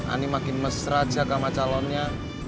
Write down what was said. ini makin mesra aja sama calonnya